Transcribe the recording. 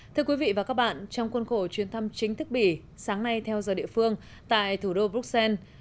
thưa quý vị và các bạn trong khuôn khổ chuyến thăm chính thức bỉ sáng nay theo giờ địa phương tại thủ đô bruxelles